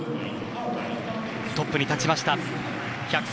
トップに立ちました。